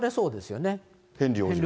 ヘンリー王子ね。